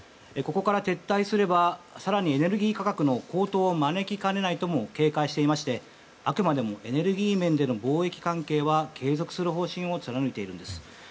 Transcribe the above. ここから撤退すれば更にエネルギー価格の高騰を招きかねないと警戒していましてあくまでもエネルギー面での貿易関係は継続する方針を貫いているんです。